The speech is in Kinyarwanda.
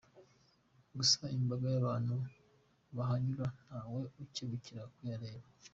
Gusa imbaga y’abantu bahanyura ntawe ukebukira kuyareba.